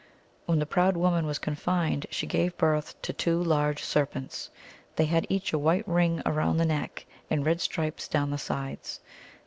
When the proud woman was confined, she gave birth to two large serpents. They had each a white ring round the neck and red stripes down the sides.